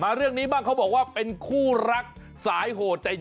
เรื่องนี้บ้างเขาบอกว่าเป็นคู่รักสายโหดใจ